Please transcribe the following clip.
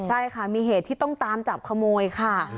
ใช่ค่ะมีเหตุที่ต้องตามจับขโมยค่ะ